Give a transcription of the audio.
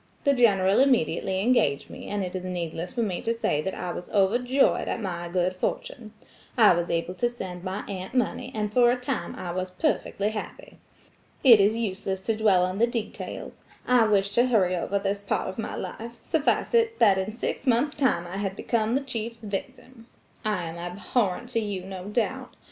The General immediately engaged me, and it is needless for me to say that I was overjoyed at my good fortune. I was able to send my aunt money, and for a time I was perfectly happy. It is useless to dwell on the details–I wish to hurry over this part of my life–suffice it that in six months time I had become the chief's victim. I am abhorrent to you, no doubt.